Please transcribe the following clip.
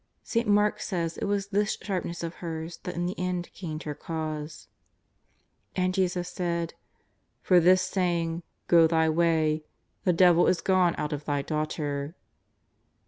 St. Mark says it was this sharpness of hers that in the end gained her cause. And Jesus said :" For this saying, go thy way, the devil is gone out of thy daughter."